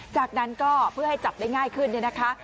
จากนั้นก็เพื่อให้จับได้ง่ายขึ้นเนี่ยนะคะ